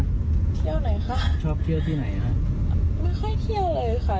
ไม่ค่อยเที่ยวเลยค่ะ